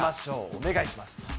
お願いします。